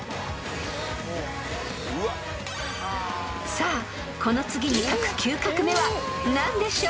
［さあこの次に書く９画目は何でしょう］